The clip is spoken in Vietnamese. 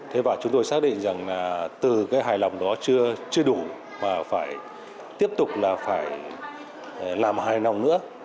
thế và chúng tôi xác định rằng là từ cái hài lòng đó chưa đủ mà phải tiếp tục là phải làm hài lòng nữa